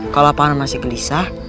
kalau paman masih gelisah